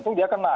tentu dia kena